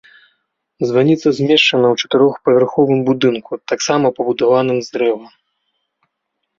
Званіца змешчана ў чатырохпавярховым будынку, таксама пабудаваным з дрэва.